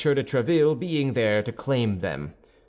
de Tréville being there to claim them.